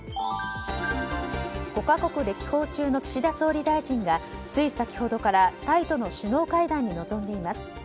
５か国歴訪中の岸田総理大臣がつい先ほどからタイとの首脳会談に臨んでいます。